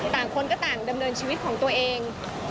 คนก็ต่างดำเนินชีวิตของตัวเอง